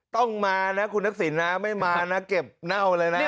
ต้องมานะคุณทักษิณนะไม่มานะเก็บเน่าเลยนะ